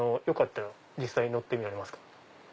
よかったら実際乗ってみられますか？